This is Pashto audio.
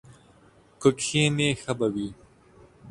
که کښېنې ښه به وي!